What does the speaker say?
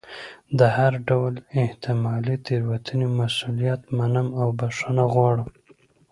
د هر ډول احتمالي تېروتنې مسؤلیت منم او بښنه غواړم.